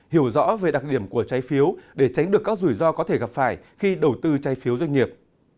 hiểu rõ về đặc điểm của trái phiếu để tránh được các rủi ro có thể gặp phải khi đầu tư trái phiếu doanh nghiệp